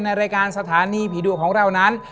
ในรายการสถานีผีดุของเรานั้น